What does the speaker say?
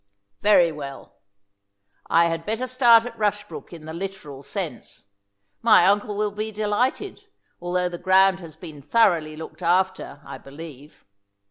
"Very well; I had better start at Rushbrook in the literal sense. My uncle will be delighted, although the ground has been thoroughly looked after, I believe.